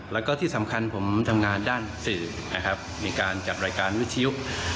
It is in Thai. แล้วก็ที่สำคัญผมทำงานด้านสื่อนะครับมีการจัดรายการวิทยุ